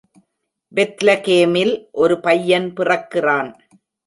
பெத்லகேமில் ஒரு பையன் பிறக்கிறான்.